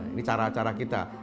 ini cara cara kita